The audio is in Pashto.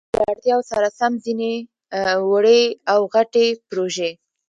په دې سره د خلكو له اړتياوو سره سم ځينې وړې او غټې پروژې